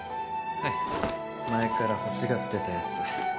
はい前から欲しがってたやつ